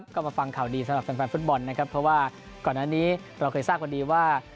ก็มาฟังข่าวดีสำหรับแฟนฟุตบอลนะครับเพราะว่าก่อนอันนี้เราเคยทราบกันดีว่า